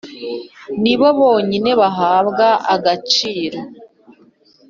ni bo bonyine bahabwa agaciro